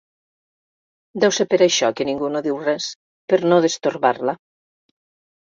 Deu ser per això que ningú no diu res, per no destorbar-la.